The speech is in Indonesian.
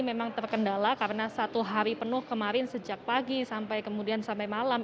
memang terkendala karena satu hari penuh kemarin sejak pagi sampai kemudian sampai malam